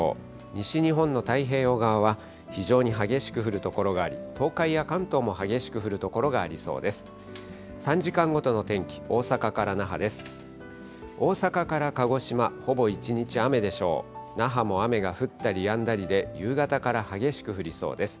西日本の太平洋側は非常に激しく降る所があり、東海や関東も激しく降る所がありそうです。